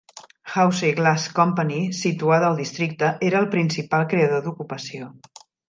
Houze Glass Company, situada al districte, era el principal creador d'ocupació.